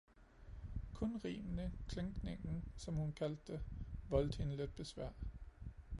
Kun rimene, klinkningen, som hun kaldte det, voldte hende lidt besvær